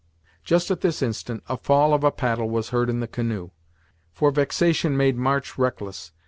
Just at this instant a fall of a paddle was heard in the canoe, for vexation made March reckless.